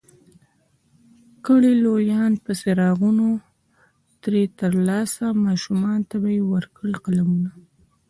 کړي لویان به څراغونه ترې ترلاسه، ماشومانو ته به ورکړي قلمونه